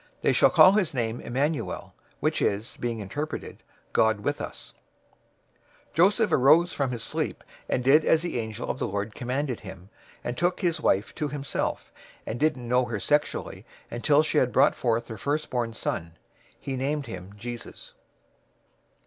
They shall call his name Immanuel;" which is, being interpreted, "God with us."{Isaiah 7:14} 001:024 Joseph arose from his sleep, and did as the angel of the Lord commanded him, and took his wife to himself; 001:025 and didn't know her sexually until she had brought forth her firstborn son. He named him Jesus.